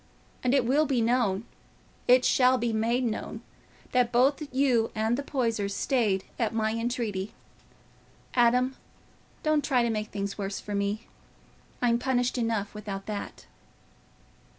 And it will be known—it shall be made known, that both you and the Poysers stayed at my entreaty. Adam, don't try to make things worse for me; I'm punished enough without that."